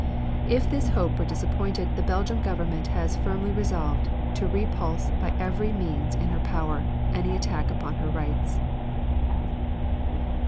If this hope were disappointed the Belgian Government has firmly resolved to repulse by every means in her power any attack upon her rights.